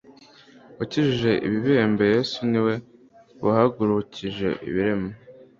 wakijije ibibembe, yezu ni we wahagurukije ibirema